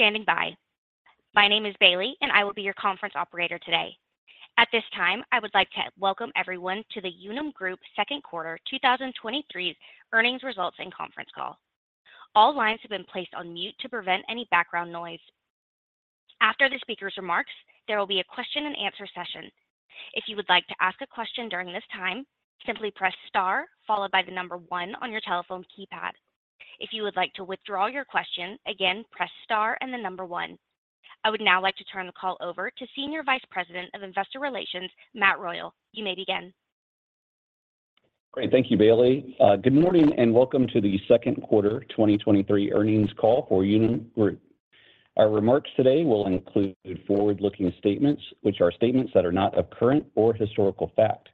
Thank you for standing by. My name is Bailey, and I will be your conference operator today. At this time, I would like to welcome everyone to the Unum Group Second Quarter 2023 Earnings Results and Conference Call. All lines have been placed on mute to prevent any background noise. After the speaker's remarks, there will be a question and answer session. If you would like to ask a question during this time, simply press star followed by the number one on your telephone keypad. If you would like to withdraw your question, again, press star and the number one. I would now like to turn the call over to Senior Vice President of Investor Relations, Matt Royal. You may begin. Great. Thank you, Bailey. Good morning, and welcome to the second quarter 2023 earnings call for Unum Group. Our remarks today will include forward-looking statements, which are statements that are not of current or historical fact.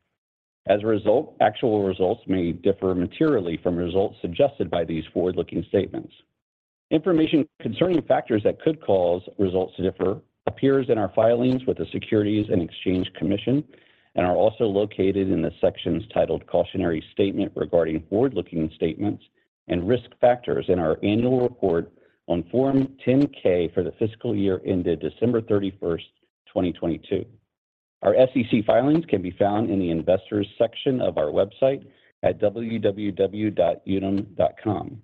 As a result, actual results may differ materially from results suggested by these forward-looking statements. Information concerning factors that could cause results to differ appears in our filings with the Securities and Exchange Commission and are also located in the sections titled "Cautionary Statement Regarding Forward-Looking Statements" and "Risk Factors" in our annual report on Form 10-K for the fiscal year ended December 31st, 2022. Our SEC filings can be found in the Investors section of our website at www.unum.com.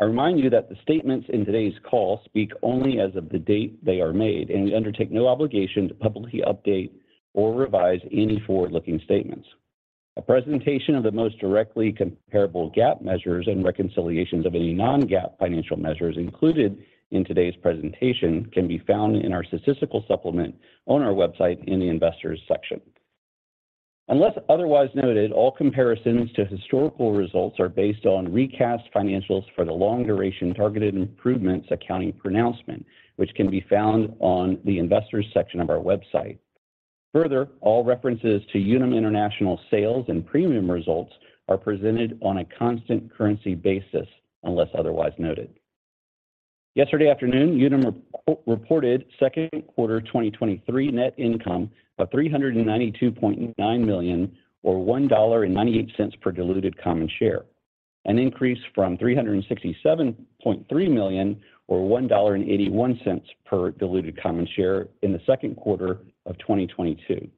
I remind you that the statements in today's call speak only as of the date they are made, and we undertake no obligation to publicly update or revise any forward-looking statements. A presentation of the most directly comparable GAAP measures and reconciliations of any non-GAAP financial measures included in today's presentation can be found in our statistical supplement on our website in the Investors section. Unless otherwise noted, all comparisons to historical results are based on recast financials for the Long-Duration Targeted Improvements accounting pronouncement, which can be found on the Investors section of our website. Further, all references to Unum International sales and premium results are presented on a constant currency basis, unless otherwise noted. Yesterday afternoon, Unum reported second quarter 2023 net income of $392.9 million or $1.98 per diluted common share, an increase from $367.3 million or $1.81 per diluted common share in the second quarter of 2022.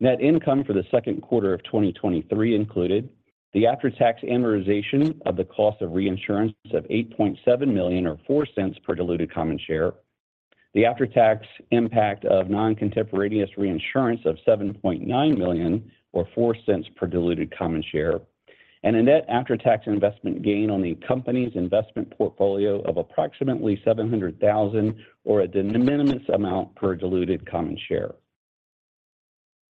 Net income for the second quarter of 2023 included: the after-tax amortization of the cost of reinsurance of $8.7 million or $0.04 per diluted common share, the after-tax impact of non-contemporaneous reinsurance of $7.9 million or $0.04 per diluted common share, and a net after-tax investment gain on the company's investment portfolio of approximately $700,000 or a de minimis amount per diluted common share.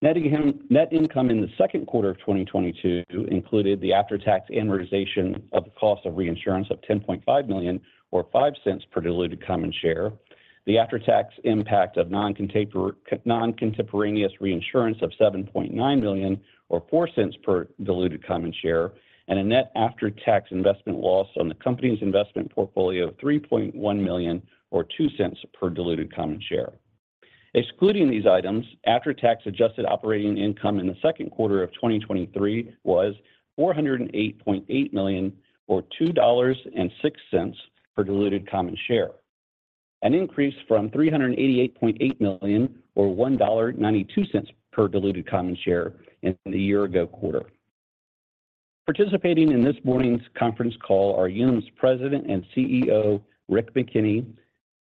Net income, net income in the second quarter of 2022 included the after-tax amortization of the cost of reinsurance of $10.5 million or $0.05 per diluted common share, the after-tax impact of non-contemporaneous reinsurance of $7.9 million or $0.04 per diluted common share, and a net after-tax investment loss on the company's investment portfolio of $3.1 million or $0.02 per diluted common share. Excluding these items, after-tax adjusted operating income in the second quarter of 2023 was $408.8 million or $2.06 per diluted common share, an increase from $388.8 million or $1.92 per diluted common share in the year ago quarter. Participating in this morning's conference call are Unum's President and CEO, Rick McKenney,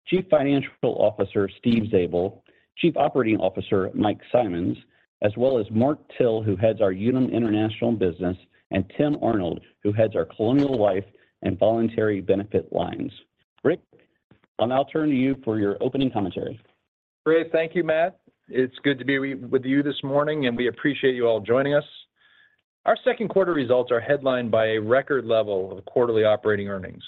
Chief Financial Officer, Steve Zabel, Chief Operating Officer, Mike Simonds, as well as Mark Till, who heads our Unum International, and Tim Arnold, who heads our Colonial Life and Voluntary Benefit lines. Rick, I'll now turn to you for your opening commentary. Great. Thank you, Matt. It's good to be with you this morning, and we appreciate you all joining us. Our second quarter results are headlined by a record level of quarterly operating earnings,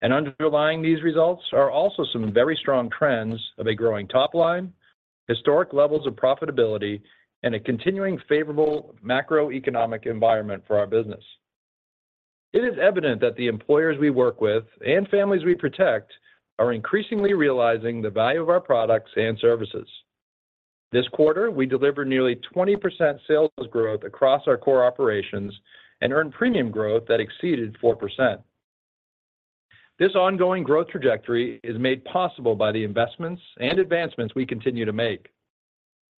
and underlying these results are also some very strong trends of a growing top line, historic levels of profitability, and a continuing favorable macroeconomic environment for our business. It is evident that the employers we work with and families we protect are increasingly realizing the value of our products and services. This quarter, we delivered nearly 20% sales growth across our core operations and earned premium growth that exceeded 4%. This ongoing growth trajectory is made possible by the investments and advancements we continue to make.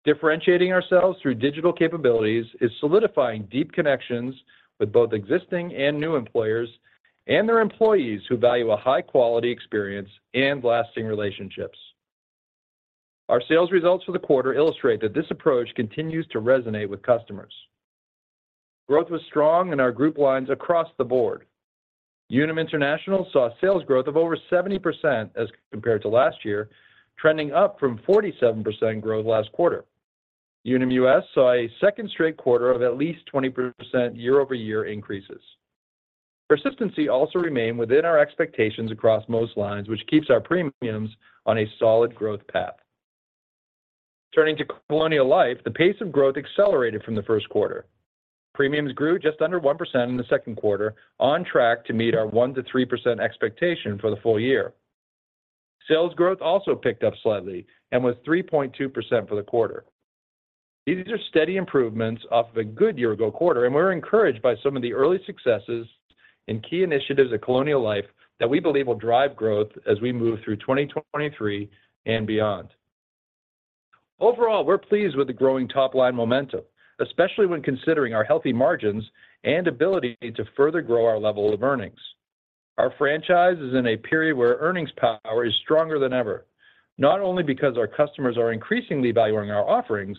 Differentiating ourselves through digital capabilities is solidifying deep connections with both existing and new employers, and their employees who value a high quality experience and lasting relationships. Our sales results for the quarter illustrate that this approach continues to resonate with customers. Growth was strong in our group lines across the board. Unum International saw sales growth of over 70% as compared to last year, trending up from 47% growth last quarter. Unum US saw a second straight quarter of at least 20% year-over-year increases. Persistency also remained within our expectations across most lines, which keeps our premiums on a solid growth path. Turning to Colonial Life, the pace of growth accelerated from the first quarter. Premiums grew just under 1% in the second quarter, on track to meet our 1%-3% expectation for the full year. Sales growth also picked up slightly and was 3.2% for the quarter. These are steady improvements off of a good year-ago quarter, and we're encouraged by some of the early successes and key initiatives at Colonial Life that we believe will drive growth as we move through 2023 and beyond. Overall, we're pleased with the growing top-line momentum, especially when considering our healthy margins and ability to further grow our level of earnings. Our franchise is in a period where earnings power is stronger than ever, not only because our customers are increasingly valuing our offerings,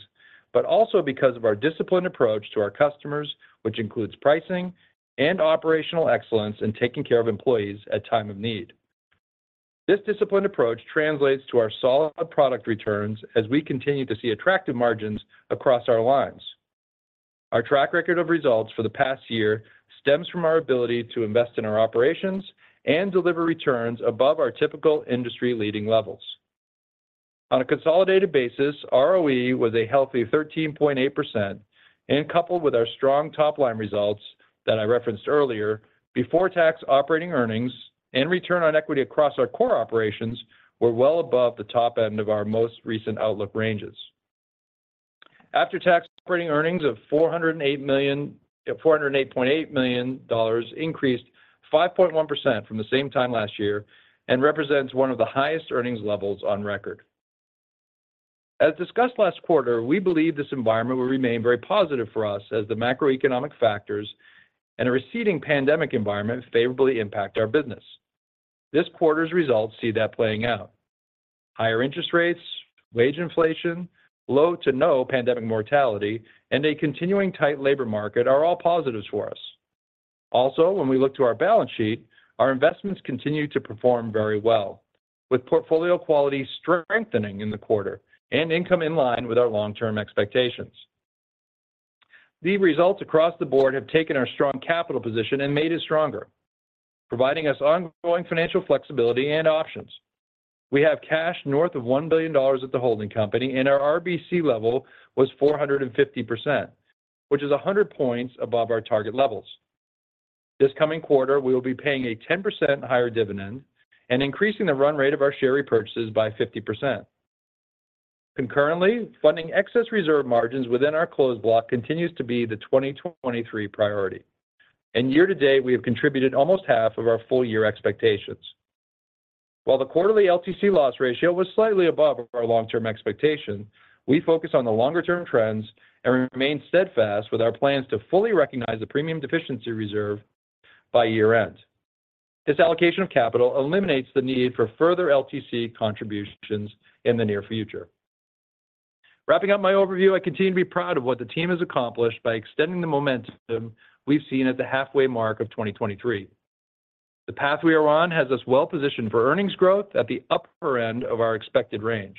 but also because of our disciplined approach to our customers, which includes pricing and operational excellence in taking care of employees at time of need. This disciplined approach translates to our solid product returns as we continue to see attractive margins across our lines. Our track record of results for the past year stems from our ability to invest in our operations and deliver returns above our typical industry-leading levels. On a consolidated basis, ROE was a healthy 13.8% and coupled with our strong top-line results that I referenced earlier, before-tax operating earnings and return on equity across our core operations were well above the top end of our most recent outlook ranges. After-tax operating earnings of $408.8 million increased 5.1% from the same time last year and represents one of the highest earnings levels on record. As discussed last quarter, we believe this environment will remain very positive for us as the macroeconomic factors and a receding pandemic environment favorably impact our business. This quarter's results see that playing out. Higher interest rates, wage inflation, low to no pandemic mortality, and a continuing tight labor market are all positives for us. Also, when we look to our balance sheet, our investments continue to perform very well, with portfolio quality strengthening in the quarter and income in line with our long-term expectations. The results across the board have taken our strong capital position and made it stronger, providing us ongoing financial flexibility and options. We have cash north of $1 billion at the holding company, and our RBC level was 450%, which is 100 points above our target levels. This coming quarter, we will be paying a 10% higher dividend and increasing the run rate of our share repurchases by 50%. Concurrently, funding excess reserve margins within our Closed Block continues to be the 2023 priority. Year to date, we have contributed almost half of our full year expectations. While the quarterly LTC loss ratio was slightly above our long-term expectation, we focus on the longer-term trends and remain steadfast with our plans to fully recognize the premium deficiency reserve by year-end. This allocation of capital eliminates the need for further LTC contributions in the near future. Wrapping up my overview, I continue to be proud of what the team has accomplished by extending the momentum we've seen at the halfway mark of 2023. The path we are on has us well positioned for earnings growth at the upper end of our expected range.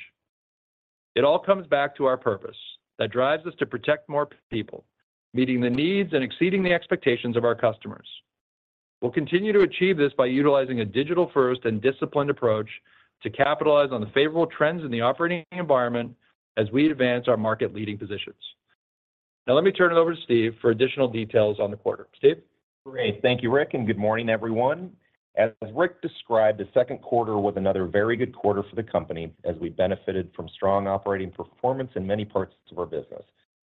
It all comes back to our purpose that drives us to protect more people, meeting the needs and exceeding the expectations of our customers. We'll continue to achieve this by utilizing a digital-first and disciplined approach to capitalize on the favorable trends in the operating environment as we advance our market-leading positions. Now, let me turn it over to Steve for additional details on the quarter. Steve? Great. Thank you, Rick, and good morning, everyone. As Rick described, the second quarter was another very good quarter for the company as we benefited from strong operating performance in many parts of our business,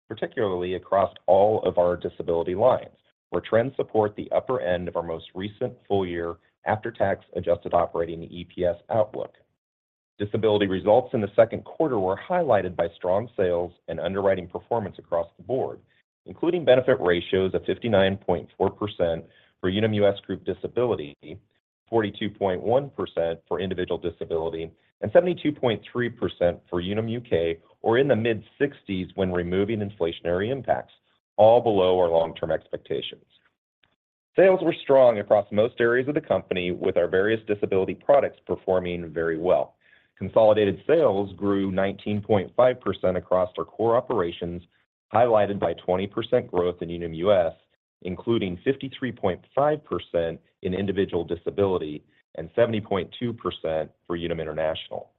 particularly across all of our disability lines, where trends support the upper end of our most recent full-year after-tax adjusted operating EPS outlook. Disability results in the second quarter were highlighted by strong sales and underwriting performance across the board, including benefit ratios of 59.4% for Unum US Group Disability, 42.1% for Individual Disability, and 72.3% for Unum UK, or in the mid-60s when removing inflationary impacts, all below our long-term expectations. Sales were strong across most areas of the company, with our various disability products performing very well. Consolidated sales grew 19.5% across our core operations, highlighted by 20% growth in Unum US, including 53.5% in Individual Disability and 70.2% for Unum International.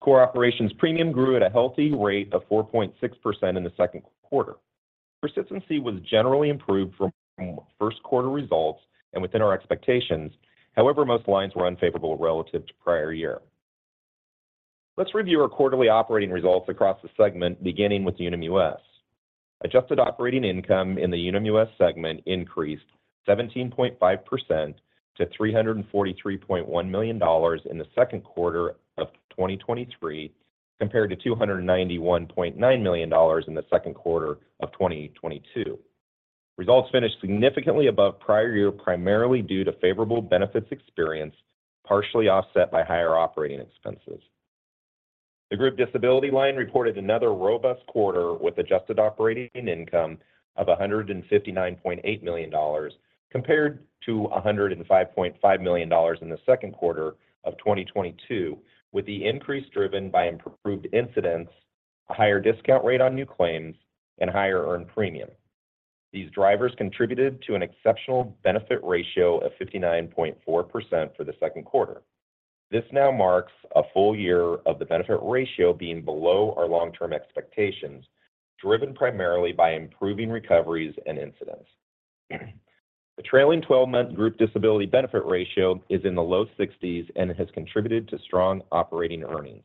Core operations premium grew at a healthy rate of 4.6% in the second quarter. Persistence was generally improved from first quarter results and within our expectations. However, most lines were unfavorable relative to prior year. Let's review our quarterly operating results across the segment, beginning with Unum US. Adjusted operating income in the Unum US segment increased 17.5% to $343.1 million in the second quarter of 2023, compared to $291.9 million in the second quarter of 2022. Results finished significantly above prior year, primarily due to favorable benefits experienced, partially offset by higher operating expenses. The Group Disability line reported another robust quarter with adjusted operating income of $159.8 million, compared to $105.5 million in the second quarter of 2022, with the increase driven by improved incidents, a higher discount rate on new claims, and higher earned premium. These drivers contributed to an exceptional benefit ratio of 59.4% for the second quarter. This now marks a full year of the benefit ratio being below our long-term expectations, driven primarily by improving recoveries and incidents. The trailing twelve-month Group Disability benefit ratio is in the low 60s and has contributed to strong operating earnings.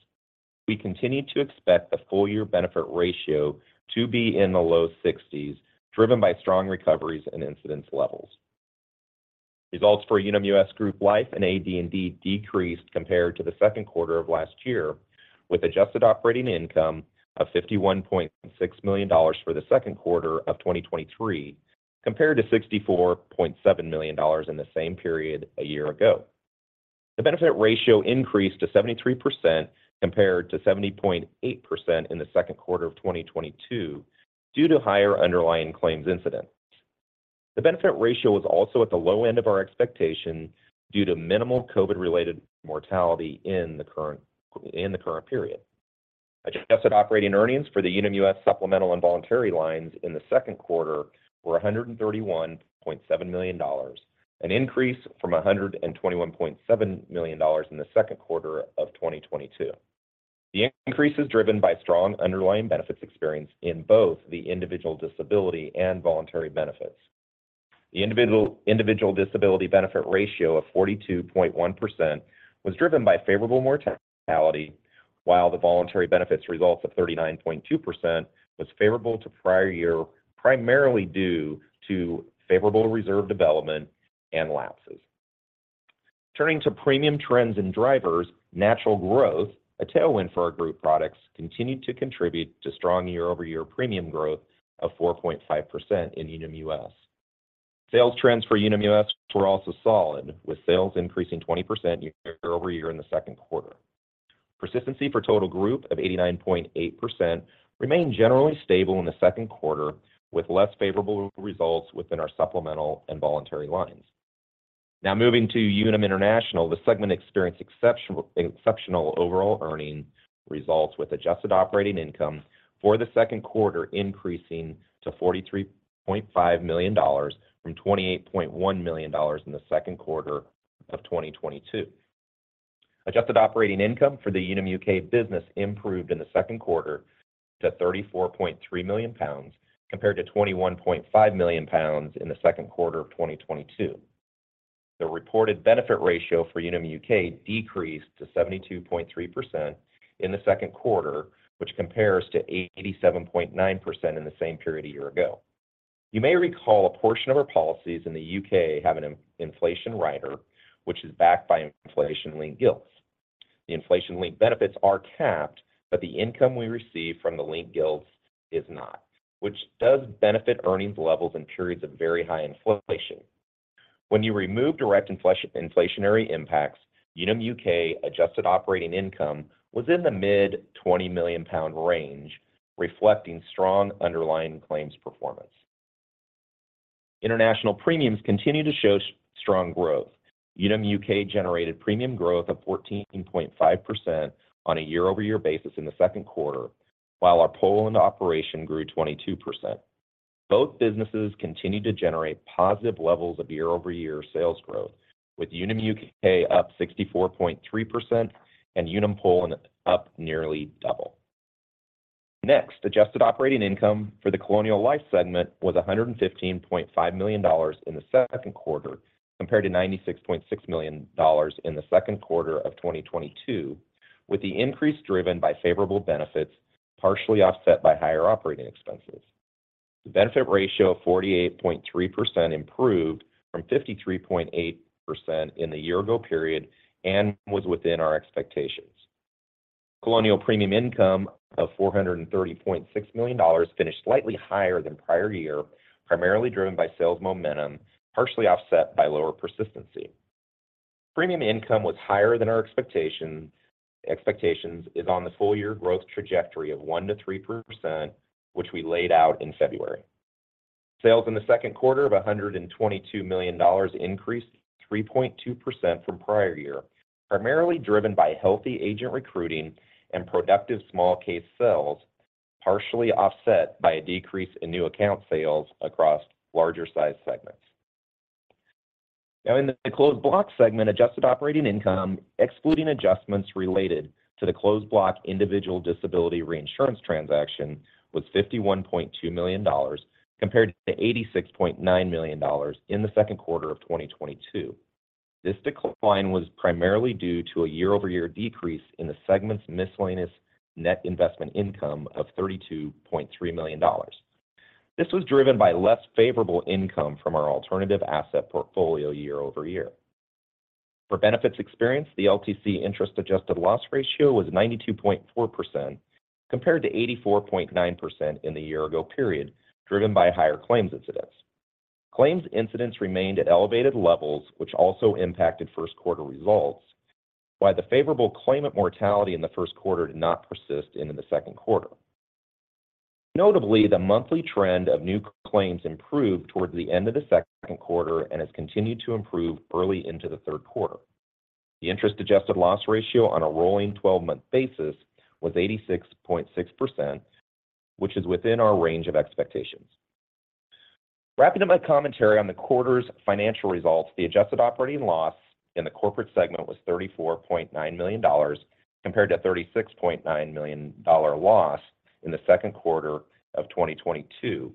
We continue to expect the full year benefit ratio to be in the low 60s, driven by strong recoveries and incidence levels. Results for Unum US Group Life and AD&D decreased compared to the second quarter of last year, with adjusted operating income of $51.6 million for the second quarter of 2023, compared to $64.7 million in the same period a year ago. The benefit ratio increased to 73%, compared to 70.8% in the second quarter of 2022, due to higher underlying claims incidents. The benefit ratio was also at the low end of our expectation due to minimal COVID-related mortality in the current period. Adjusted operating earnings for the Unum US supplemental and voluntary lines in the second quarter were $131.7 million, an increase from $121.7 million in the second quarter of 2022. The increase is driven by strong underlying benefits experienced in both the Individual Disability and Voluntary Benefits. The individual Disability benefit ratio of 42.1% was driven by favorable mortality, while the Voluntary Benefits results of 39.2% was favorable to prior year, primarily due to favorable reserve development and lapses. Turning to premium trends and drivers, natural growth, a tailwind for our group products, continued to contribute to strong year-over-year premium growth of 4.5% in Unum US. Sales trends for Unum US were also solid, with sales increasing 20% year-over-year in the second quarter. Persistency for total group of 89.8% remained generally stable in the second quarter, with less favorable results within our supplemental and Voluntary lines. Moving to Unum International, the segment experienced exceptional, exceptional overall earnings results, with adjusted operating income for the second quarter increasing to $43.5 million from $28.1 million in the second quarter of 2022. Adjusted operating income for the Unum UK business improved in the second quarter to 34.3 million pounds, compared to 21.5 million pounds in the second quarter of 2022. The reported benefit ratio for Unum UK decreased to 72.3% in the second quarter, which compares to 87.9% in the same period a year ago. You may recall a portion of our policies in the UK have an in-inflation rider, which is backed by inflation-linked gilts. The inflation-linked benefits are capped, the income we receive from the inflation-linked gilts is not, which does benefit earnings levels in periods of very high inflation. When you remove direct inflationary impacts, Unum UK adjusted operating income was in the mid 20 million pound range, reflecting strong underlying claims performance. International premiums continue to show strong growth. Unum UK generated premium growth of 14.5% on a year-over-year basis in the second quarter, while our Poland operation grew 22%. Both businesses continued to generate positive levels of year-over-year sales growth, with Unum UK up 64.3% and Unum Poland up nearly double. Adjusted operating income for the Colonial Life segment was $115.5 million in the second quarter, compared to $96.6 million in the second quarter of 2022, with the increase driven by favorable benefits, partially offset by higher operating expenses. The benefit ratio of 48.3% improved from 53.8% in the year ago period and was within our expectations. Colonial premium income of $430.6 million finished slightly higher than prior year, primarily driven by sales momentum, partially offset by lower persistency. Premium income was higher than our expectations is on the full year growth trajectory of 1%-3%, which we laid out in February. Sales in the second quarter of $122 million increased 3.2% from prior year, primarily driven by healthy agent recruiting and productive small case sales, partially offset by a decrease in new account sales across larger-sized segments. Now, in the Closed Block segment, adjusted operating income, excluding adjustments related to the Closed Block individual disability reinsurance transaction, was $51.2 million, compared to $86.9 million in the second quarter of 2022. This decline was primarily due to a year-over-year decrease in the segment's miscellaneous net investment income of $32.3 million. This was driven by less favorable income from our alternative asset portfolio year-over-year. For benefits experience, the LTC interest-adjusted loss ratio was 92.4%, compared to 84.9% in the year-ago period, driven by higher claims incidents. Claims incidents remained at elevated levels, which also impacted first quarter results, while the favorable claimant mortality in the first quarter did not persist into the second quarter. Notably, the monthly trend of new claims improved towards the end of the second quarter and has continued to improve early into the third quarter. The interest-adjusted loss ratio on a rolling 12-month basis was 86.6%, which is within our range of expectations. Wrapping up my commentary on the quarter's financial results, the adjusted operating loss in the corporate segment was $34.9 million, compared to a $36.9 million loss in the second quarter of 2022,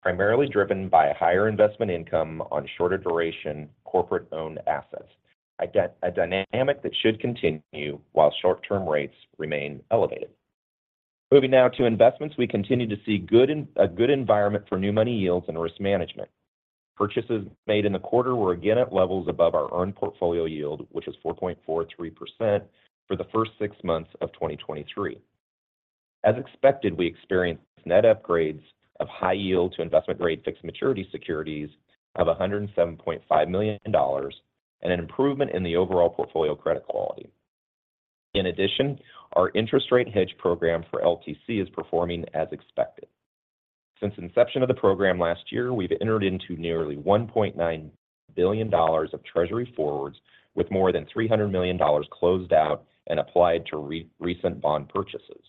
primarily driven by a higher investment income on shorter duration corporate-owned assets, a dynamic that should continue while short-term rates remain elevated. Moving now to investments, we continue to see a good environment for new money yields and risk management. Purchases made in the quarter were again at levels above our earned portfolio yield, which was 4.43% for the first six months of 2023. As expected, we experienced net upgrades of high yield to investment-grade fixed maturity securities of $107.5 million and an improvement in the overall portfolio credit quality. In addition, our interest rate hedge program for LTC is performing as expected. Since inception of the program last year, we've entered into nearly $1.9 billion of Treasury forwards, with more than $300 million closed out and applied to recent bond purchases.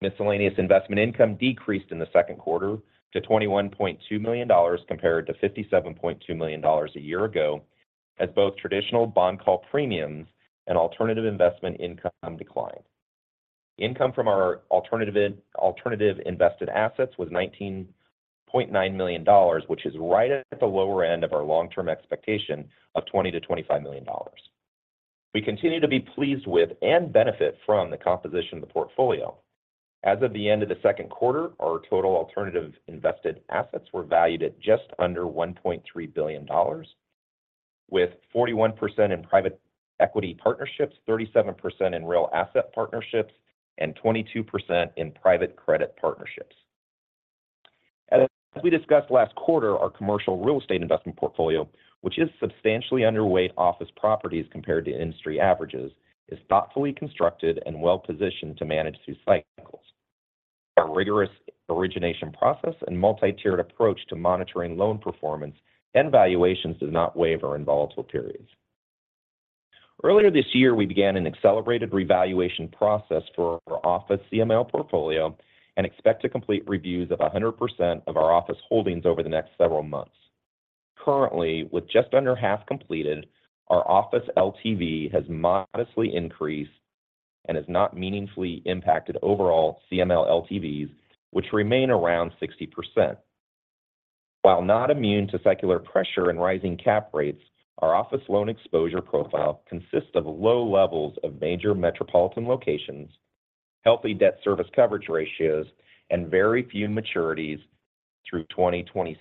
Miscellaneous investment income decreased in the second quarter to $21.2 million, compared to $57.2 million a year ago, as both traditional bond call premiums and alternative investment income declined. Income from our alternative invested assets was $19.9 million, which is right at the lower end of our long-term expectation of $20 million-$25 million. We continue to be pleased with and benefit from the composition of the portfolio. As of the end of the second quarter, our total alternative invested assets were valued at just under $1.3 billion, with 41% in private equity partnerships, 37% in real asset partnerships, and 22% in private credit partnerships. As we discussed last quarter, our commercial real estate investment portfolio, which is substantially underweight office properties compared to industry averages, is thoughtfully constructed and well-positioned to manage through cycles. Our rigorous origination process and multi-tiered approach to monitoring loan performance and valuations does not waver in volatile periods. Earlier this year, we began an accelerated revaluation process for our office CML portfolio and expect to complete reviews of 100% of our office holdings over the next several months. Currently, with just under half completed, our office LTV has modestly increased and has not meaningfully impacted overall CML LTVs, which remain around 60%. While not immune to secular pressure and rising cap rates, our office loan exposure profile consists of low levels of major metropolitan locations, healthy debt service coverage ratios, and very few maturities through 2026.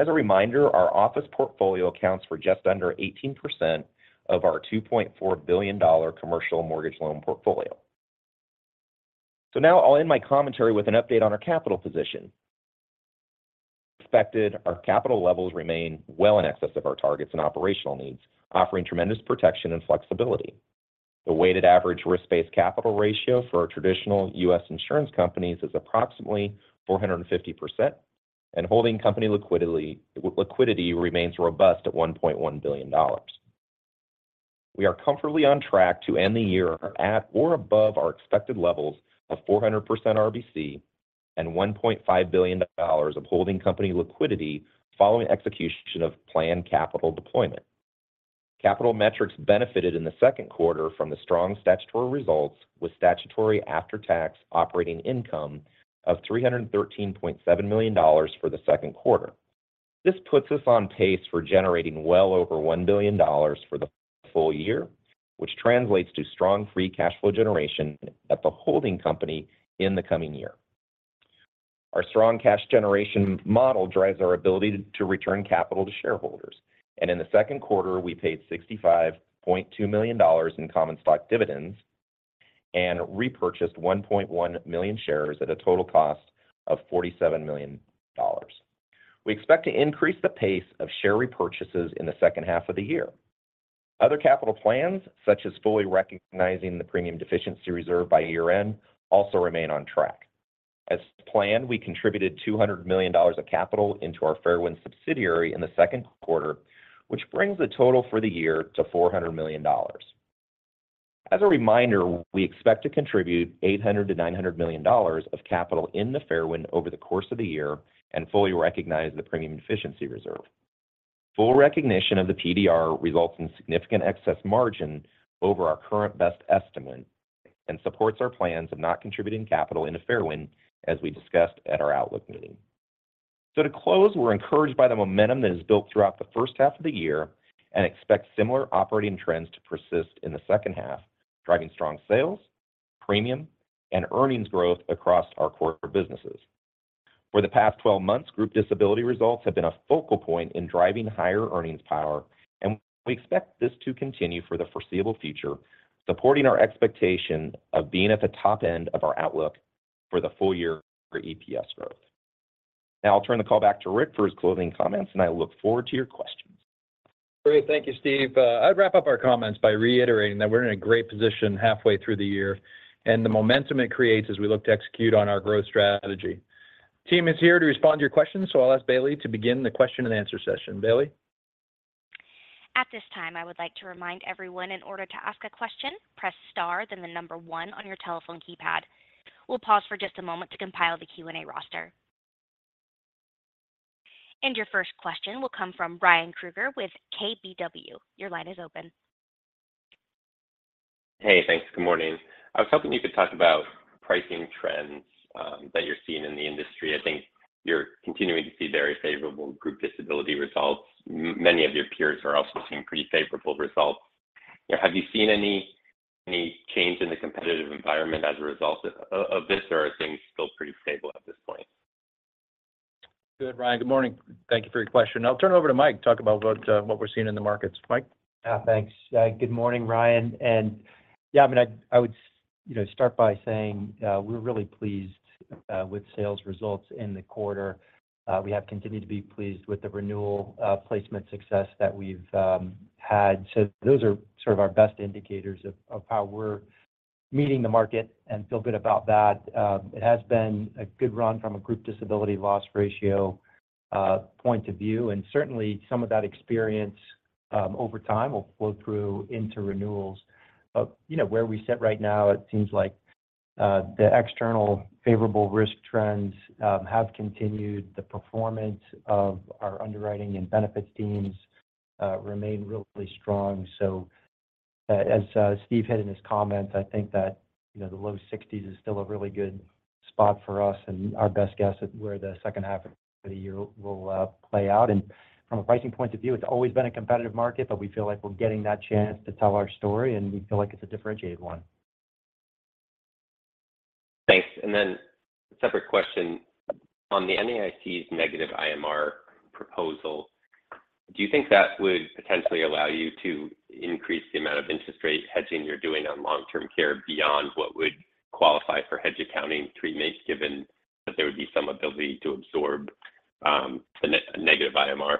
As a reminder, our office portfolio accounts for just under 18% of our $2.4 billion commercial mortgage loan portfolio. Now I'll end my commentary with an update on our capital position. Our capital levels remain well in excess of our targets and operational needs, offering tremendous protection and flexibility. The weighted average risk-based capital ratio for our traditional U.S. insurance companies is approximately 450%, and holding company liquidity remains robust at $1.1 billion. We are comfortably on track to end the year at or above our expected levels of 400% RBC and $1.5 billion of holding company liquidity following execution of planned capital deployment. Capital metrics benefited in the second quarter from the strong statutory results, with statutory after-tax operating income of $313.7 million for the second quarter. This puts us on pace for generating well over $1 billion for the full year, which translates to strong free cash flow generation at the holding company in the coming year. Our strong cash generation model drives our ability to return capital to shareholders, and in the second quarter, we paid $65.2 million in common stock dividends and repurchased 1.1 million shares at a total cost of $47 million. We expect to increase the pace of share repurchases in the second half of the year. Other capital plans, such as fully recognizing the premium deficiency reserve by year-end, also remain on track. As planned, we contributed $200 million of capital into our Fairwind subsidiary in the second quarter, which brings the total for the year to $400 million. As a reminder, we expect to contribute $800 million-$900 million of capital in the Fairwind over the course of the year and fully recognize the premium deficiency reserve. Full recognition of the PDR results in significant excess margin over our current best estimate and supports our plans of not contributing capital into Fairwind, as we discussed at our outlook meeting. To close, we're encouraged by the momentum that is built throughout the first half of the year and expect similar operating trends to persist in the second half, driving strong sales, premium, and earnings growth across our core businesses. For the past 12 months, Group Disability results have been a focal point in driving higher earnings power, and we expect this to continue for the foreseeable future, supporting our expectation of being at the top end of our outlook for the full year for EPS growth. I'll turn the call back to Rick for his closing comments, and I look forward to your questions. Great. Thank you, Steve. I'd wrap up our comments by reiterating that we're in a great position halfway through the year and the momentum it creates as we look to execute on our growth strategy. The team is here to respond to your questions. I'll ask Bailey to begin the question and answer session. Bailey? At this time, I would like to remind everyone in order to ask a question, press star, then 1 on your telephone keypad. We'll pause for just a moment to compile the Q&A roster. Your first question will come from Ryan Krueger with KBW. Your line is open. Hey, thanks. Good morning. I was hoping you could talk about pricing trends that you're seeing in the industry. I think you're continuing to see very favorable group disability results. Many of your peers are also seeing pretty favorable results. You know, have you seen any change in the competitive environment as a result of this, or are things still pretty stable at this point? Good, Ryan. Good morning. Thank you for your question. I'll turn it over to Mike to talk about what we're seeing in the markets. Mike? Thanks. Good morning, Ryan. Yeah, I mean, I, I would, you know, start by saying, we're really pleased with sales results in the quarter. We have continued to be pleased with the renewal, placement success that we've had. Those are sort of our best indicators of how we're meeting the market and feel good about that. It has been a good run from a group disability loss ratio, point of view, and certainly, some of that experience over time will flow through into renewals. You know, where we sit right now, it seems like the external favorable risk trends have continued. The performance of our underwriting and benefits teams remain really strong. As Steve hit in his comments, I think that, you know, the low 60s is still a really good spot for us and our best guess at where the second half of the year will play out. From a pricing point of view, it's always been a competitive market, but we feel like we're getting that chance to tell our story, and we feel like it's a differentiated one. Thanks. Then, separate question, on the NAIC's negative IMR proposal, do you think that would potentially allow you to increase the amount of interest rate hedging you're doing on long-term care beyond what would qualify for hedge accounting treatment, given that there would be some ability to absorb the negative IMR?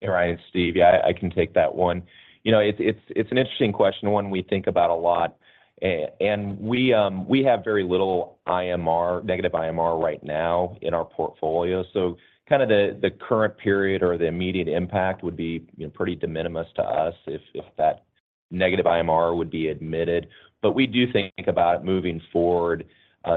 Hey, Ryan. Steve. Yeah, I can take that one. You know, it's, it's, it's an interesting question, one we think about a lot. And we have very little IMR, negative IMR right now in our portfolio. kind of the, the current period or the immediate impact would be, you know, pretty de minimis to us if, if that negative IMR would be admitted. We do think about moving forward,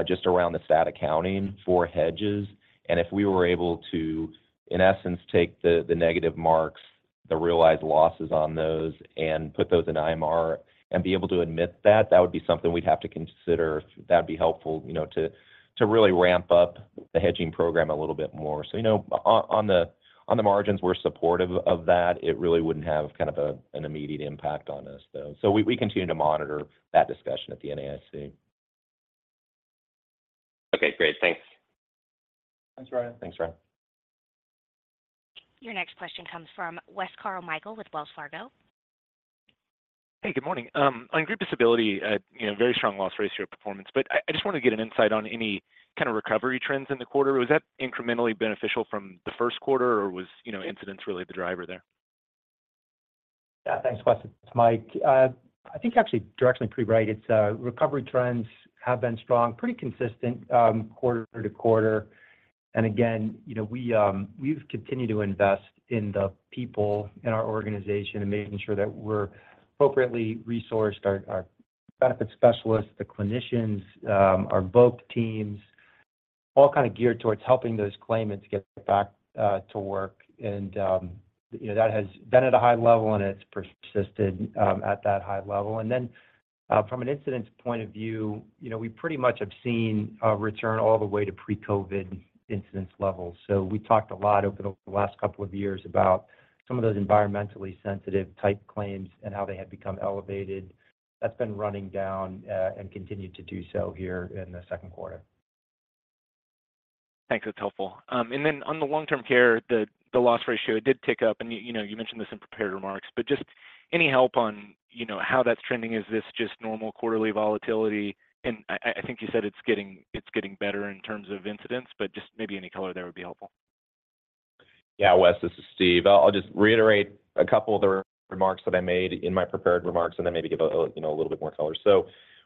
just around the stat accounting for hedges. If we were able to, in essence, take the, the negative marks, the realized losses on those, and put those in IMR and be able to admit that, that would be something we'd have to consider. That'd be helpful, you know, to, to really ramp up the hedging program a little bit more. you know, on, on the, on the margins, we're supportive of that. It really wouldn't have kind of an immediate impact on us, though. We, we continue to monitor that discussion at the NAIC. Okay, great. Thanks. Thanks, Ryan. Thanks, Ryan. Your next question comes from Wesley Carmichael with Wells Fargo. Hey, good morning. On group disability, you know, very strong loss ratio performance, but I, I just wanted to get an insight on any kind of recovery trends in the quarter. Was that incrementally beneficial from the first quarter, or was, you know, incidents really the driver there? Yeah, thanks, Wes. It's Mike. I think actually directly pretty right. It's, recovery trends have been strong, pretty consistent, quarter to quarter. Again, you know, we, we've continued to invest in the people in our organization and making sure that we're appropriately resourced. Our, our benefit specialists, the clinicians, our Voc teams, all kind of geared towards helping those claimants get back to work. You know, that has been at a high level, and it's persisted at that high level. Then, from an incidents point of view, you know, we pretty much have seen a return all the way to pre-COVID incidents levels. We talked a lot over the last couple of years about some of those environmentally sensitive type claims and how they had become elevated. That's been running down and continued to do so here in the second quarter. Thanks. That's helpful. Then on the long-term care, the, the loss ratio, it did tick up, and you, you know, you mentioned this in prepared remarks, but just any help on, you know, how that's trending? Is this just normal quarterly volatility? I, I, I think you said it's getting, it's getting better in terms of incidents, but just maybe any color there would be helpful. Yeah, Wes, this is Steve. I'll just reiterate a couple of the remarks that I made in my prepared remarks and then maybe give a, you know, a little bit more color.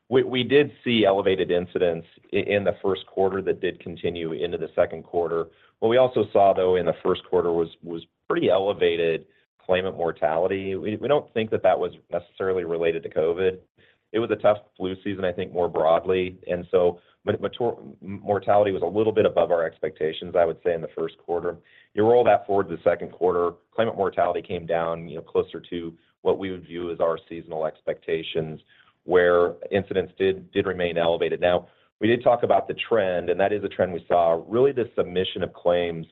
We, we did see elevated incidents in the first quarter that did continue into the second quarter. What we also saw, though, in the first quarter was, was pretty elevated claimant mortality. We, we don't think that that was necessarily related to COVID. It was a tough flu season, I think, more broadly, and so mature mortality was a little bit above our expectations, I would say, in the first quarter. Roll that forward to the second quarter, claimant mortality came down, you know, closer to what we would view as our seasonal expectations, where incidents did, did remain elevated. We did talk about the trend, and that is a trend we saw. Really, the submission of claims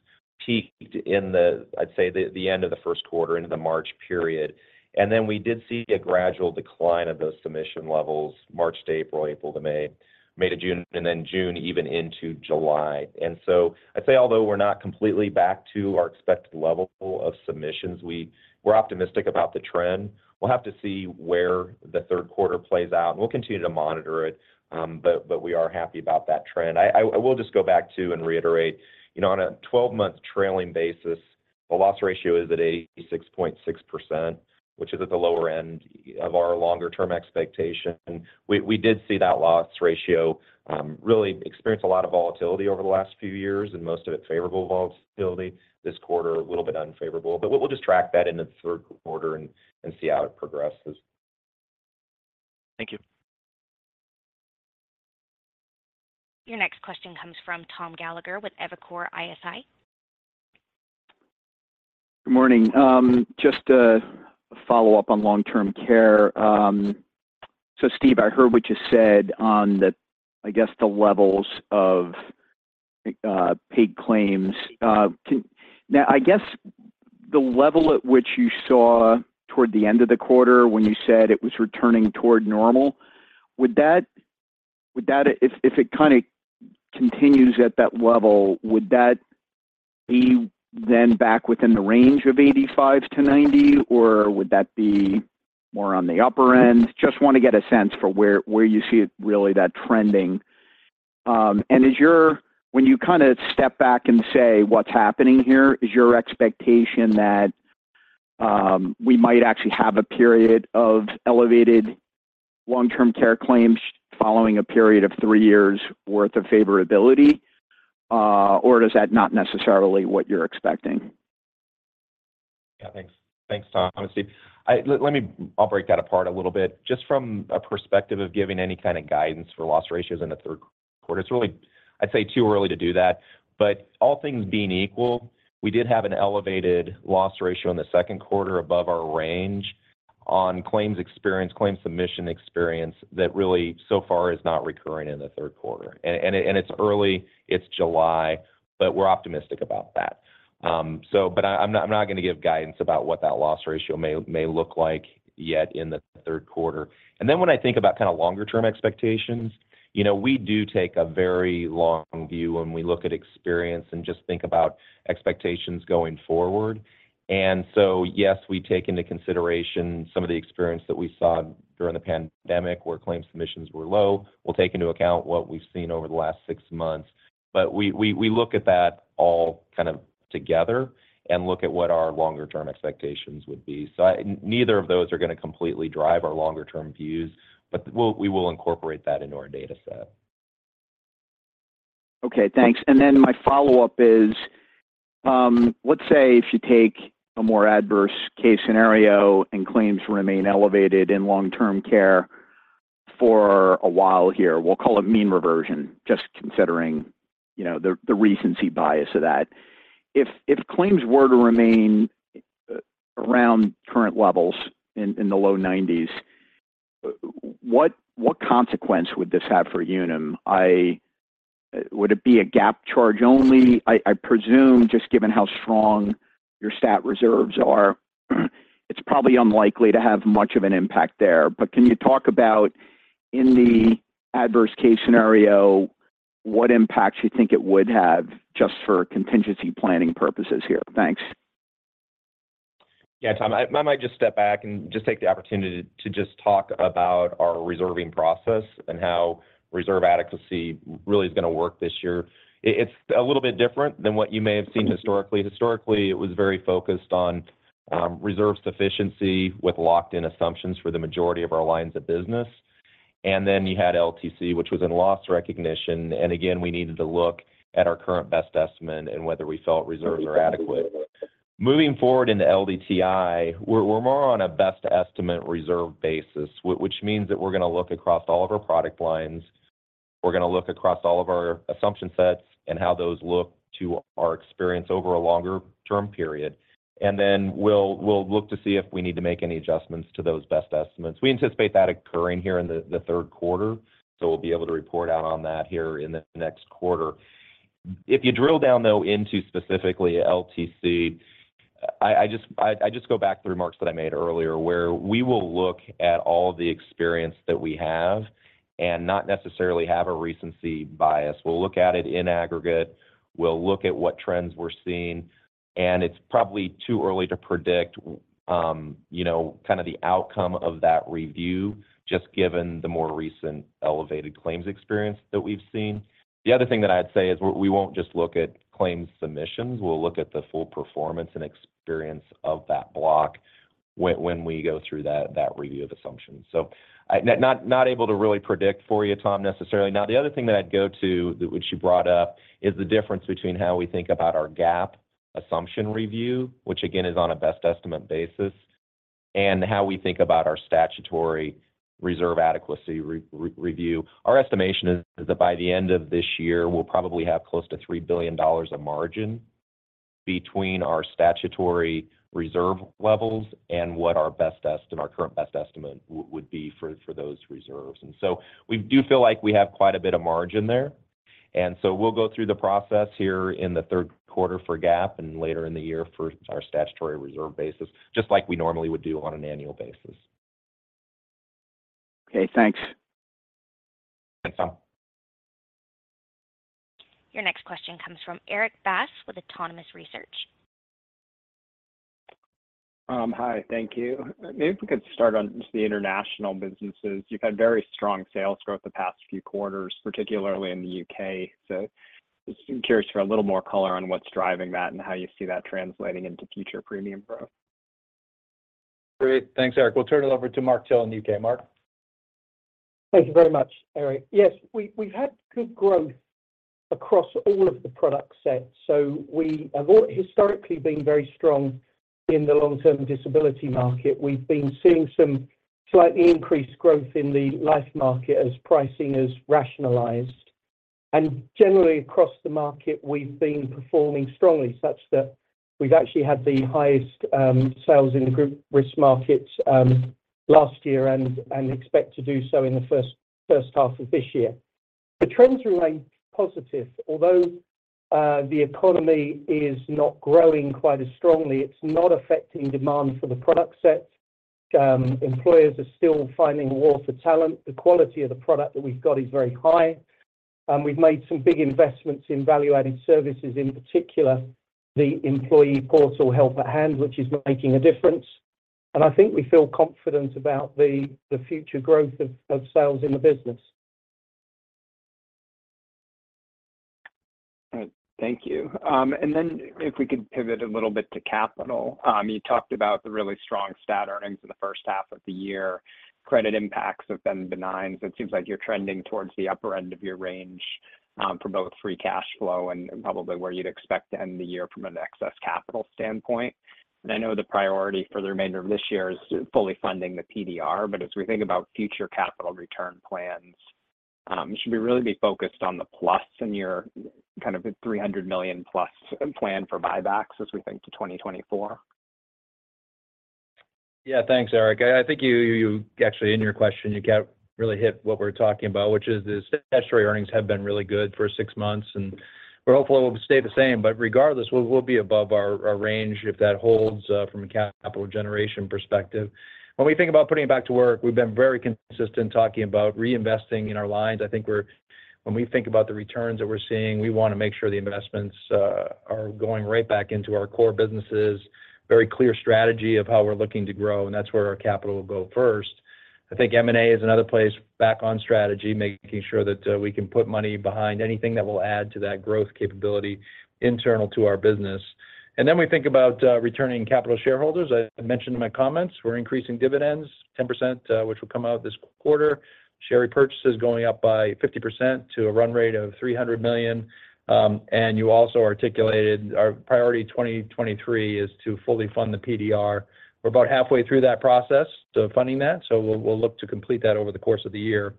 peaked in the, I'd say, the, the end of the first quarter into the March period. Then we did see a gradual decline of those submission levels March to April, April to May, May to June, and then June even into July. So I'd say although we're not completely back to our expected level of submissions, we're optimistic about the trend. We'll have to see where the third quarter plays out, and we'll continue to monitor it. But we are happy about that trend. I will just go back to and reiterate, you know, on a 12-month trailing basis, the loss ratio is at 86.6%, which is at the lower end of our longer-term expectation. We, we did see that loss ratio really experience a lot of volatility over the last few years, and most of it favorable volatility. This quarter, a little bit unfavorable, but we'll, we'll just track that into the third quarter and, and see how it progresses. Thank you. Your next question comes from Thomas Gallagher with Evercore ISI. Good morning. Just to follow up on long-term care. Steve, I heard what you said on the, I guess, the levels of paid claims. I guess the level at which you saw toward the end of the quarter when you said it was returning toward normal, would that, would that, if, if it kind of continues at that level, would that be then back within the range of 85%-90%, or would that be more on the upper end? Just want to get a sense for where, where you see it really that trending. Is your expectation that we might actually have a period of elevated long-term care claims following a period of 3 years' worth of favorability, or is that not necessarily what you're expecting? Yeah. Thanks. Thanks, Tom and Steve. Let me I'll break that apart a little bit. Just from a perspective of giving any kind of guidance for loss ratios in the third quarter, it's really, I'd say, too early to do that. All things being equal, we did have an elevated loss ratio in the second quarter above our range on claims experience, claims submission experience, that really, so far, is not recurring in the third quarter. It's early, it's July, but we're optimistic about that. I, I'm not, I'm not going to give guidance about what that loss ratio may, may look like yet in the third quarter. Then when I think about kind of longer term expectations, you know, we do take a very long view when we look at experience and just think about expectations going forward. Yes, we take into consideration some of the experience that we saw during the pandemic, where claims submissions were low. We'll take into account what we've seen over the last 6 months, but we look at that all kind of together and look at what our longer term expectations would be. Neither of those are going to completely drive our longer term views, but we'll, we will incorporate that into our data set. Okay, thanks. Then my follow-up is, let's say if you take a more adverse case scenario and claims remain elevated in long-term care for a while here, we'll call it mean reversion, just considering, you know, the, the recency bias of that. If, if claims were to remain around current levels in the low 90s, what, what consequence would this have for Unum? Would it be a GAAP charge only? I, I presume, just given how strong your stat reserves are, it's probably unlikely to have much of an impact there. Can you talk about in the adverse case scenario, what impacts you think it would have just for contingency planning purposes here? Thanks. Yeah, Tom, I, I might just step back and just take the opportunity to just talk about our reserving process and how reserve adequacy really is going to work this year. It, it's a little bit different than what you may have seen historically. Historically, it was very focused on, reserve sufficiency with locked-in assumptions for the majority of our lines of business. Then you had LTC, which was in loss recognition, and again, we needed to look at our current best estimate and whether we felt reserves are adequate. Moving forward into LDTI, we're more on a best estimate reserve basis, which means that we're going to look across all of our product lines, we're going to look across all of our assumption sets and how those look to our experience over a longer term period, and then we'll look to see if we need to make any adjustments to those best estimates. We anticipate that occurring here in the 3rd quarter, so we'll be able to report out on that here in the next quarter. If you drill down, though, into specifically LTC, I just go back to the remarks that I made earlier, where we will look at all the experience that we have and not necessarily have a recency bias. We'll look at it in aggregate, we'll look at what trends we're seeing, and it's probably too early to predict, you know, kind of the outcome of that review, just given the more recent elevated claims experience that we've seen. The other thing that I'd say is we, we won't just look at claims submissions, we'll look at the full performance and experience of that block when we go through that, that review of assumptions. Not able to really predict for you, Tom, necessarily. The other thing that I'd go to, that which you brought up, is the difference between how we think about our GAAP assumption review, which again, is on a best estimate basis, and how we think about our statutory reserve adequacy review. Our estimation is that by the end of this year, we'll probably have close to $3 billion of margin between our statutory reserve levels and what our best estimate, our current best estimate would, would be for, for those reserves. So we do feel like we have quite a bit of margin there, and so we'll go through the process here in the 3rd quarter for GAAP and later in the year for our statutory reserve basis, just like we normally would do on an annual basis. Okay, thanks. Thanks, Tom. Your next question comes from Erik Bass with Autonomous Research. Hi, thank you. Maybe we could start on just the international businesses. You've had very strong sales growth the past few quarters, particularly in the UK. Just curious for a little more color on what's driving that and how you see that translating into future premium growth? Great. Thanks, Erik. We'll turn it over to Mark Till in the UK. Mark? Thank you very much, Erik. Yes, we, we've had good growth across all of the product sets. We have all historically been very strong in the long-term disability market. We've been seeing some slightly increased growth in the life market as pricing is rationalized. Generally, across the market, we've been performing strongly, such that we've actually had the highest sales in the group risk markets last year and expect to do so in the first, first half of this year. The trends remain positive. Although the economy is not growing quite as strongly, it's not affecting demand for the product set. Employers are still finding war for talent. The quality of the product that we've got is very high, and we've made some big investments in value-added services, in particular, the employee portal Help@hand, which is making a difference. I think we feel confident about the, the future growth of, of sales in the business. All right. Thank you. If we could pivot a little bit to capital. You talked about the really strong stat earnings in the first half of the year. Credit impacts have been benign, it seems like you're trending towards the upper end of your range, for both free cash flow and, and probably where you'd expect to end the year from an excess capital standpoint. I know the priority for the remainder of this year is fully funding the PDR, as we think about future capital return plans, it should be really be focused on the plus in your kind of $300 million plus plan for buybacks as we think to 2024. Yeah. Thanks, Erik. I think you actually, in your question, you got really hit what we're talking about, which is the statutory earnings have been really good for six months. We're hopeful it will stay the same. Regardless, we'll be above our range if that holds from a capital generation perspective. When we think about putting it back to work, we've been very consistent talking about reinvesting in our lines. I think when we think about the returns that we're seeing, we want to make sure the investments are going right back into our core businesses. Very clear strategy of how we're looking to grow. That's where our capital will go first. I think M&A is another place back on strategy, making sure that we can put money behind anything that will add to that growth capability internal to our business. We think about returning capital shareholders. I mentioned in my comments, we're increasing dividends 10%, which will come out this quarter. Share repurchases going up by 50% to a run rate of $300 million. You also articulated our priority 2023 is to fully fund the PDR. We're about halfway through that process to funding that, so we'll, we'll look to complete that over the course of the year.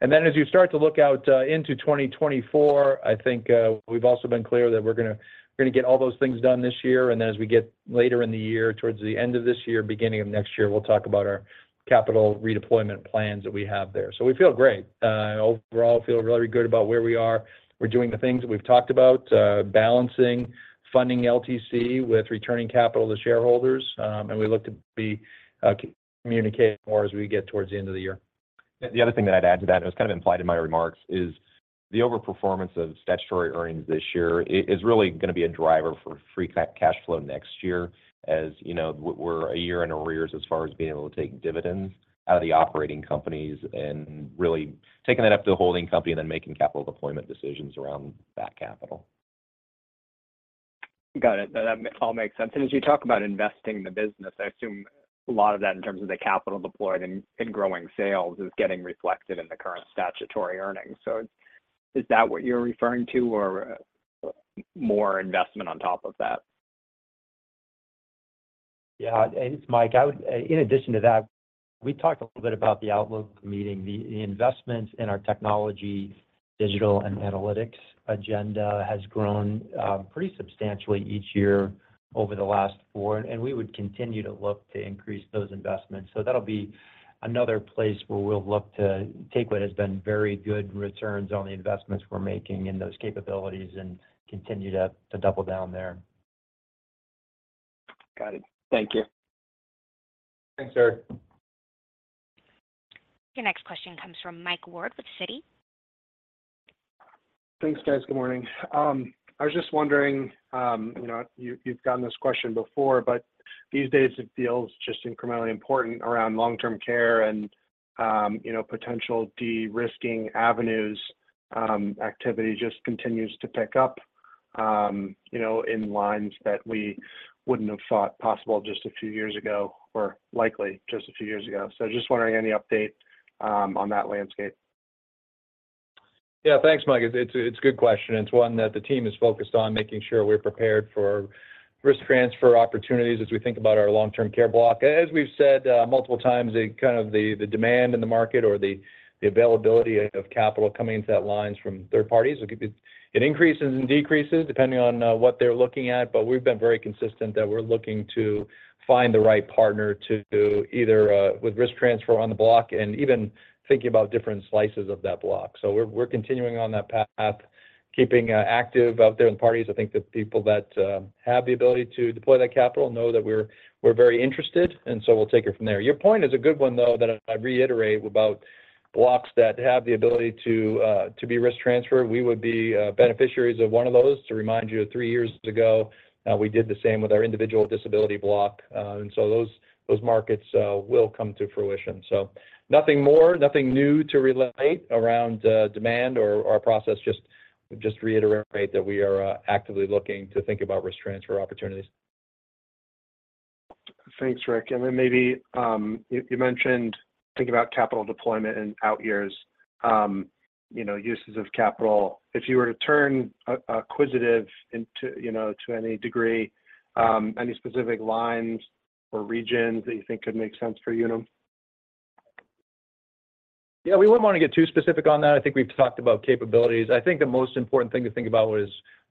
As you start to look out into 2024, I think we've also been clear that we're going to, we're going to get all those things done this year. As we get later in the year, towards the end of this year, beginning of next year, we'll talk about our capital redeployment plans that we have there. We feel great. Overall, feel very good about where we are. We're doing the things that we've talked about, balancing, funding LTC with returning capital to shareholders, and we look to be communicating more as we get towards the end of the year. The other thing that I'd add to that, and it was kind of implied in my remarks, is the overperformance of statutory earnings this year is really going to be a driver for free cash flow next year. As you know, we're a year in arrears as far as being able to take dividends out of the operating companies and really taking that up to the holding company and then making capital deployment decisions around that capital. Got it. That all makes sense. As you talk about investing in the business, I assume a lot of that in terms of the capital deployed in, in growing sales is getting reflected in the current statutory earnings. Is that what you're referring to or more investment on top of that? Yeah, it's Mike. In addition to that, we talked a little bit about the outlook meeting. The investments in our technology, digital, and analytics agenda has grown pretty substantially each year over the last 4, and we would continue to look to increase those investments. That'll be another place where we'll look to take what has been very good returns on the investments we're making in those capabilities and continue to double down there. Got it. Thank you. Thanks, Erik. Your next question comes from Michael Ward with Citi. Thanks, guys. Good morning. I was just wondering, you know, you've, you've gotten this question before, but these days it feels just incrementally important around long-term care and, you know, potential de-risking avenues, activity just continues to pick up, you know, in lines that we wouldn't have thought possible just a few years ago, or likely just a few years ago. Just wondering, any update, on that landscape? Yeah. Thanks, Mike. It's, it's a good question. It's one that the team is focused on making sure we're prepared for risk transfer opportunities as we think about our LTC block. As we've said, multiple times, the kind of the, the demand in the market or the, the availability of capital coming into that lines from third parties, it, it increases and decreases depending on what they're looking at. We've been very consistent that we're looking to find the right partner to do either with risk transfer on the block and even thinking about different slices of that block. We're, we're continuing on that path, keeping active out there in parties. I think the people that have the ability to deploy that capital know that we're, we're very interested, and so we'll take it from there. Your point is a good one, though, that I reiterate about blocks that have the ability to be risk transferred. We would be beneficiaries of one of those. To remind you, three years ago, we did the same with our Individual Disability block. Those, those markets will come to fruition. Nothing more, nothing new to relate around demand or our process. Just reiterate that we are actively looking to think about risk transfer opportunities. Thanks, Rick. Maybe, you, you mentioned thinking about capital deployment and out years, you know, uses of capital. If you were to turn acquisitive into, you know, to any degree, any specific lines or regions that you think could make sense for Unum? Yeah, we wouldn't want to get too specific on that. I think we've talked about capabilities. I think the most important thing to think about is,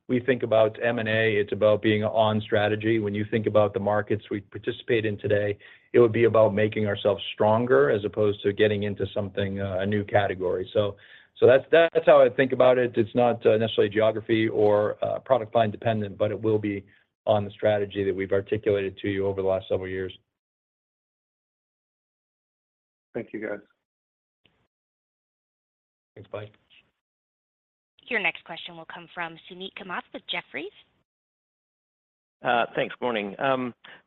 we think about M&A, it's about being on strategy. When you think about the markets we participate in today, it would be about making ourselves stronger as opposed to getting into something, a new category. So, so that's, that's how I think about it. It's not, necessarily geography or, product line dependent, but it will be on the strategy that we've articulated to you over the last several years. Thank you, guys. Thanks, Mike. Your next question will come from Suneet Kamath with Jefferies. Thanks. Morning. I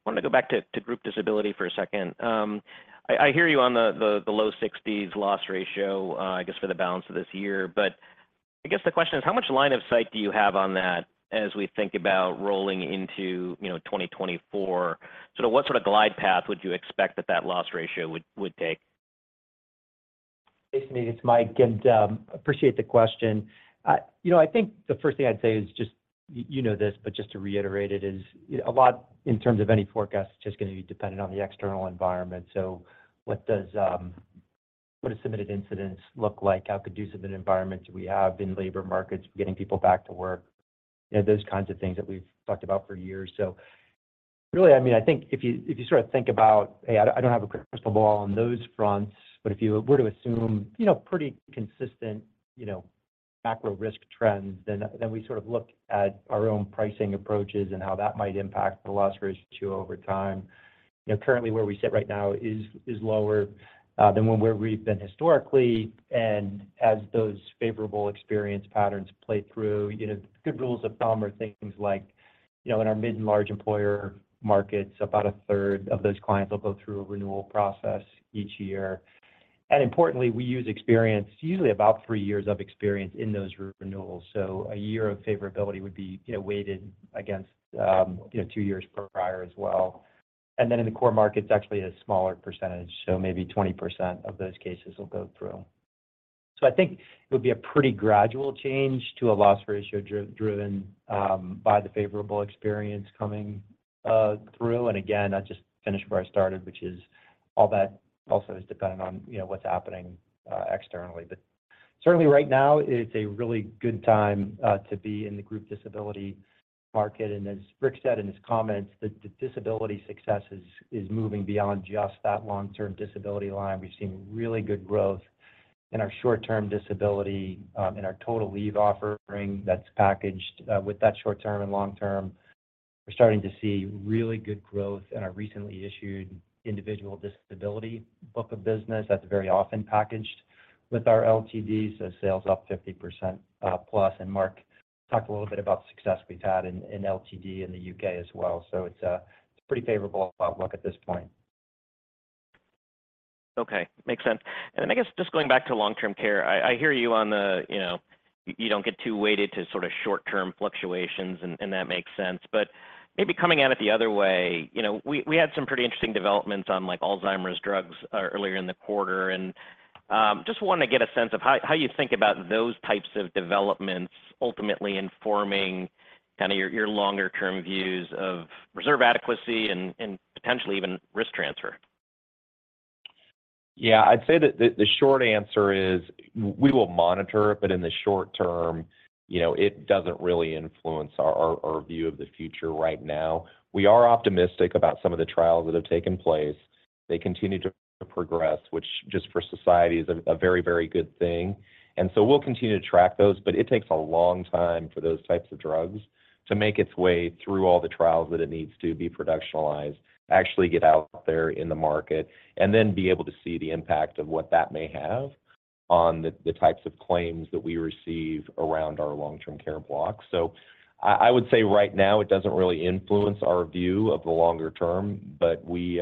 wanted to go back to, to Group Disability for a second. I, I hear you on the, the, the low 60s loss ratio, I guess, for the balance of this year. I guess the question is, how much line of sight do you have on that as we think about rolling into, you know, 2024? Sort of, what sort of glide path would you expect that that loss ratio would, would take? Hey, Suneet, it's Mike Simonds, and appreciate the question. You know, I think the first thing I'd say is just, you know this, but just to reiterate it, is a lot in terms of any forecast, it's just going to be dependent on the external environment. What does submitted incidents look like? How could do submitted environment do we have in labor markets, getting people back to work? You know, those kinds of things that we've talked about for years. Really, I mean, I think if you, if you sort of think about, hey, I don't, I don't have a crystal ball on those fronts, but if you were to assume, you know, pretty consistent, you know, macro risk trends, then, then we sort of look at our own pricing approaches and how that might impact the loss ratio over time. You know, currently, where we sit right now is, is lower than when where we've been historically. As those favorable experience patterns play through, you know, good rules of thumb are things like, you know, in our mid and large employer markets, about a third of those clients will go through a renewal process each year. Importantly, we use experience, usually about three years of experience in those renewals. So a year of favorability would be, you know, weighted against, you know, two years prior as well. Then in the core markets, actually a smaller percentage, so maybe 20% of those cases will go through. So I think it would be a pretty gradual change to a loss ratio driven by the favorable experience coming through. Again, I just finished where I started, which is all that also is dependent on, you know, what's happening externally. Certainly right now, it's a really good time to be in the group disability market. As Rick said in his comments, the disability success is moving beyond just that long-term disability line. We've seen really good growth in our short-term disability, in our total leave offering that's packaged with that short term and long term. We're starting to see really good growth in our recently issued Individual Disability book of business that's very often packaged with our LTD, so sales up 50% plus. Mark talked a little bit about the success we've had in LTD in the UK as well, so it's a pretty favorable outlook at this point. Okay, makes sense. Then, I guess, just going back to long-term care, I hear you on the, you know, you don't get too weighted to sort of short-term fluctuations, and that makes sense. Maybe coming at it the other way, you know, we had some pretty interesting developments on, like, Alzheimer's drugs, earlier in the quarter. Just wanted to get a sense of how you think about those types of developments ultimately informing kind of your longer term views of reserve adequacy and potentially even risk transfer. Yeah, I'd say that the, the short answer is we will monitor it, but in the short term, you know, it doesn't really influence our, our, our view of the future right now. We are optimistic about some of the trials that have taken place. They continue to progress, which just for society is a, a very, very good thing, and so we'll continue to track those. It takes a long time for those types of drugs to make its way through all the trials that it needs to be productionalized, actually get out there in the market, and then be able to see the impact of what that may have on the, the types of claims that we receive around our long-term care block. I, I would say right now, it doesn't really influence our view of the longer term, but we,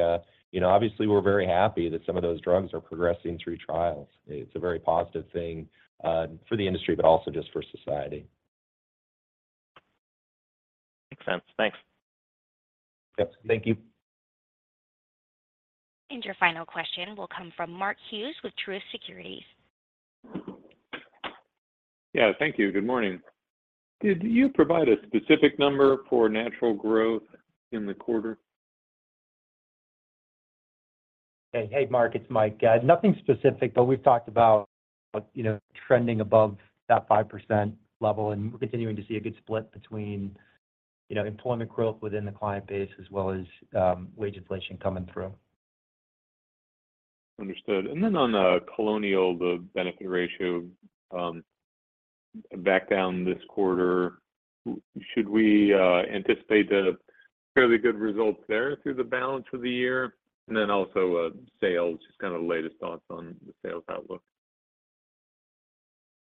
you know, obviously, we're very happy that some of those drugs are progressing through trials. It's a very positive thing for the industry, but also just for society. Makes sense. Thanks. Yep, thank you. Your final question will come from Mark Hughes with Truist Securities. Yeah, thank you. Good morning. Did you provide a specific number for natural growth in the quarter? Hey, Mark, it's Mike. Nothing specific, but we've talked about, you know, trending above that 5% level, and we're continuing to see a good split between, you know, employment growth within the client base as well as wage inflation coming through. Understood. Then on the Colonial, the benefit ratio, back down this quarter, should we anticipate the fairly good results there through the balance of the year? Then also, sales, just kind of the latest thoughts on the sales outlook?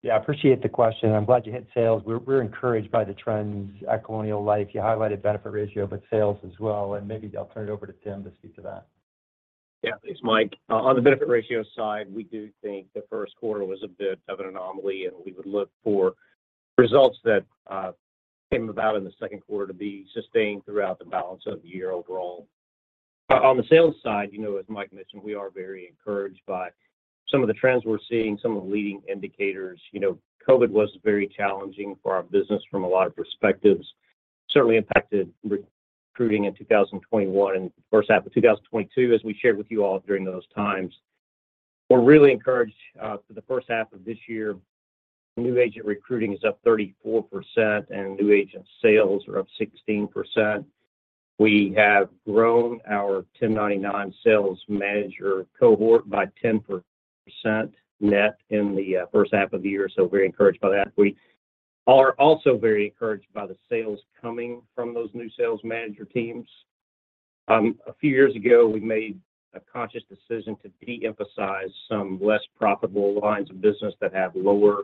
Yeah, I appreciate the question. I'm glad you hit sales. We're, we're encouraged by the trends at Colonial Life. You highlighted benefit ratio, but sales as well, and maybe I'll turn it over to Tim to speak to that. Yeah, it's Mike. On the benefit ratio side, we do think the first quarter was a bit of an anomaly, and we would look for results that came about in the second quarter to be sustained throughout the balance of the year overall. On the sales side, you know, as Mike mentioned, we are very encouraged by some of the trends we're seeing, some of the leading indicators. You know, COVID was very challenging for our business from a lot of perspectives. Certainly impacted recruiting in 2021 and the first half of 2022, as we shared with you all during those times. We're really encouraged for the first half of this year. New agent recruiting is up 34%, and new agent sales are up 16%. We have grown our 1099 sales manager cohort by 10% net in the first half of the year, so very encouraged by that. We are also very encouraged by the sales coming from those new sales manager teams. A few years ago, we made a conscious decision to de-emphasize some less profitable lines of business that have lower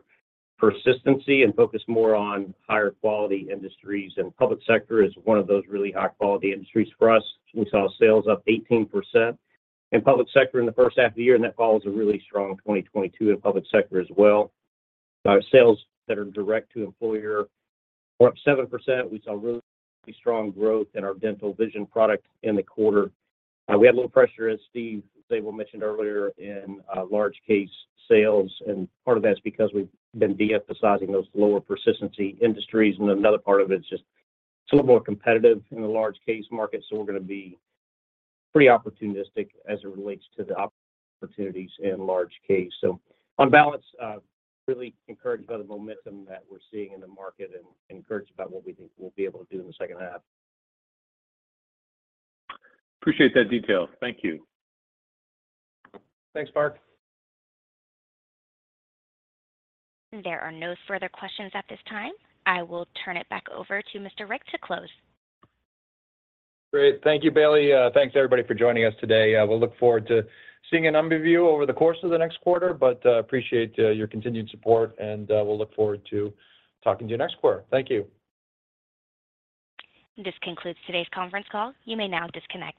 persistency and focus more on higher quality industries, and public sector is one of those really high-quality industries for us. We saw sales up 18% in public sector in the first half of the year, and that follows a really strong 2022 in public sector as well. Our sales that are direct to employer were up 7%. We saw really strong growth in our Dental Vision product in the quarter. We had a little pressure, as Steve Zabel mentioned earlier, in large case sales, and part of that's because we've been de-emphasizing those lower persistency industries. Another part of it is just it's a little more competitive in the large case market, so we're gonna be pretty opportunistic as it relates to the opportunities in large case. On balance, really encouraged by the momentum that we're seeing in the market and encouraged about what we think we'll be able to do in the second half. Appreciate that detail. Thank you. Thanks, Mark. There are no further questions at this time. I will turn it back over to Mr. Rick to close. Great. Thank you, Bailey. Thanks, everybody, for joining us today. We'll look forward to seeing a number of you over the course of the next quarter, but appreciate your continued support and we'll look forward to talking to you next quarter. Thank you. This concludes today's conference call. You may now disconnect.